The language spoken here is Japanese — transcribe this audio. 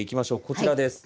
こちらです。